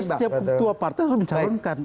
setiap ketua partai harus mencalon kan